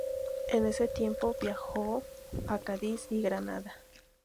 En ese tiempo viajó a Cádiz y Granada.